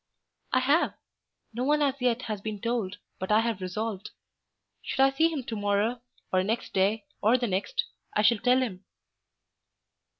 "I have. No one as yet has been told, but I have resolved. Should I see him to morrow, or next day, or the next, I shall tell him."